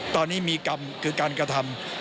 ตอนนี้มีกรรมคือการกระทำ